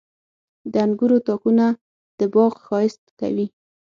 • د انګورو تاکونه د باغ ښایست کوي.